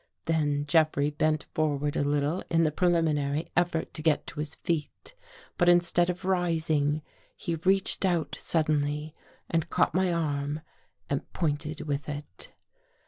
Then Jeffrey bent forward a little in the preliminary effort to get to his feet. But instead of rising, he reached out 283 THE GHOST GIRL suddenly and caught my arm and pointed with it.